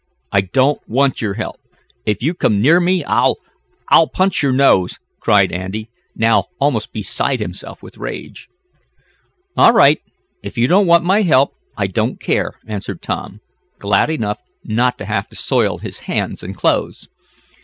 "I don't want your help! If you come near me I'll I'll punch your nose!" cried Andy, now almost beside himself with rage. "All right, if you don't want my help I don't care," answered Tom, glad enough not to have to soil his hands and clothes.